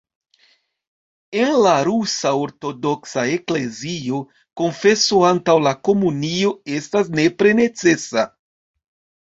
En la Rusa Ortodoksa Eklezio konfeso antaŭ la komunio estas nepre necesa.